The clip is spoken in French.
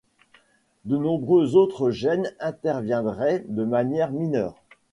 De nombreux autres gènes interviendraient de manière mineure.